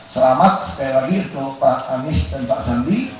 selamat sekali lagi untuk pak anies dan pak sandi